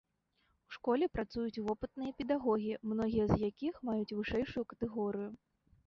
У школе працуюць вопытныя педагогі, многія з якіх маюць вышэйшую катэгорыю.